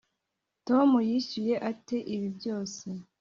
Tom yishyuye ate ibi byose